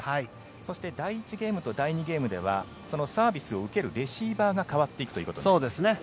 そして第１ゲームと第２ゲームではサービスを受けるレシーバーが変わっていくと。